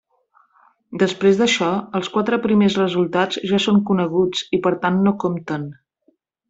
Després d'això, els quatre primers resultats ja són coneguts i per tant no compten.